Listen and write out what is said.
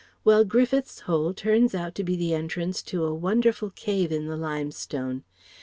Well Griffith's Hole turns out to be the entrance into a wonderful cave in the limestone.